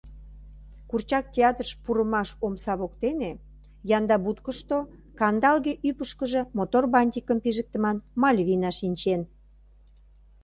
Курчак театрыш пурымаш омса воктене янда будкышто кандалге ӱпышкыжӧ мотор бантикым пижыктыман Мальвина шинчен.